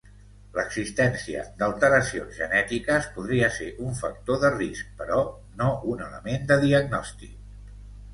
L'existència d'alteracions genètiques podria ser un factor de risc però no un element de diagnòstic.